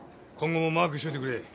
今後もマークしといてくれ。